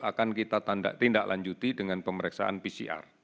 akan kita tindak lanjuti dengan pemeriksaan pcr